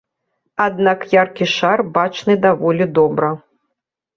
Аднак яркі шар бачны даволі добра.